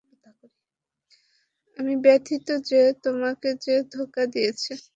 আমি ব্যথিত যে তোমাকে সে ধোকা দিয়েছে।